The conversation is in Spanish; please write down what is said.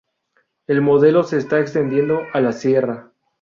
El modelo se está extendiendo a la sierra.